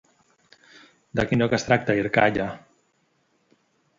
De quin lloc es tracta Irkalla?